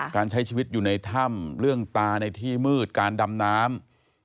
การใช้ชีวิตอยู่ในถ้ำเรื่องตาในที่มืดการดำน้ำ